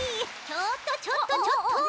ちょっとちょっとちょっと。